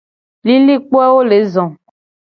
Lilikpoawo le zo.